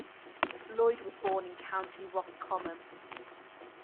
Lloyd was born in County Roscommon.